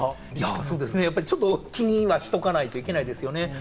ちょっと気にはしておかないといけないですね。